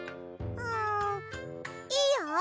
んいいよ。